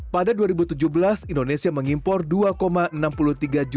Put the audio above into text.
pada dua ribu tujuh belas indonesia mengimpor rp dua enam puluh tiga juta